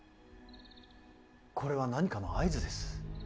これは何かの合図です。